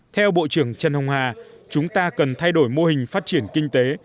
theo bộ trưởng trần hồng hà chúng ta cần thay đổi mô hình phát triển kinh tế